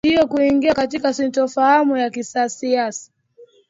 baada ya nchi hiyo kuingia katika sintofahamu ya kisiasa